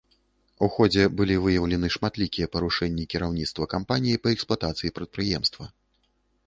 У ходзе былі выяўлены шматлікія парушэнні кіраўніцтва кампаніі па эксплуатацыі прадпрыемства.